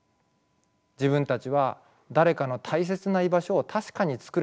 自分たちは誰かの大切な居場所を確かにつくれていると。